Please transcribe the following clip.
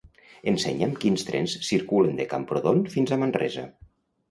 Ensenya'm quins trens circulen de Camprodon fins a Manresa.